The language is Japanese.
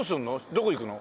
どこ行くの？